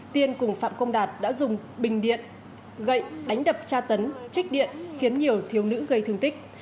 tiên cùng phạm công đạt đã dùng bình điện gậy đánh đập tra tấn trích điện khiến nhiều thiếu nữ gây thương tích